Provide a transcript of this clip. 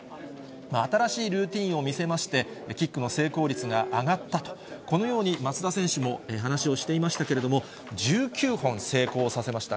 新しいルーティーンを見せまして、キックの成功率が上がったと、このように松田選手も話をしていましたけれども、１９本成功させました。